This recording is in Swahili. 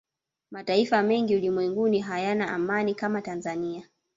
mataifa mengi ulimwenguni hayana amani kama tanzania